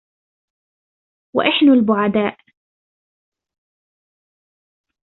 وَإِحَنُ الْبُعَدَاءِ